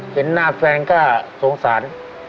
เห็นหน้าแฟนก็สงสาร